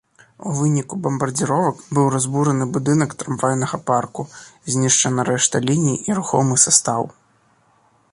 У выніку бамбардзіровак быў разбураны будынак трамвайнага парку, знішчана рэшта ліній і рухомы састаў.